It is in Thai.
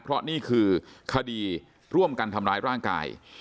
เพราะนี่คือคดีร่วมกันทำร้ายร่างกาย